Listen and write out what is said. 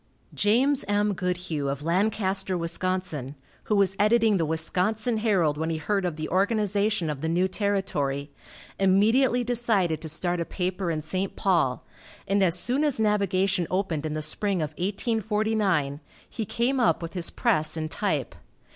James M. Goodhue of Lancaster, Wis., who was editing the Wisconsin Herald, when he heard of the organization of the new territory, immediately decided to start a paper in St. Paul, and as soon as navigation opened in the spring of 1849, he came up with his press and type.